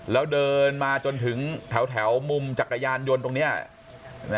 แล้วเดินมาจนถึงแถวมุมจักรยานยนต์ตรงนี้